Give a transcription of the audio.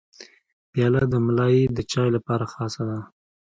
پیاله د ملای د چای لپاره خاصه ده.